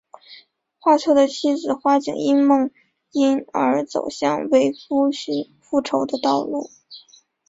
花错的妻子花景因梦因而走向为夫复仇的道路。